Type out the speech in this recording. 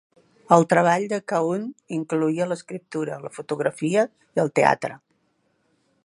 El treball de Cahun incloïa l'escriptura, la fotografia i el teatre.